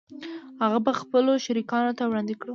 هغه به خپلو شریکانو ته وړاندې کړو